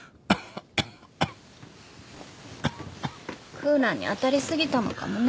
クーラーに当たり過ぎたのかもね。